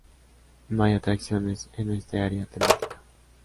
No hay atracciones en este área temática.